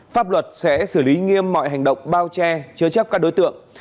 pháp luật sẽ xử lý nghiêm mọi hành động bao che chứa chấp các đối tượng